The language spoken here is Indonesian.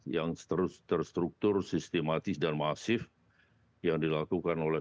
yang terstruktur sistematis dan masif yang dilakukan oleh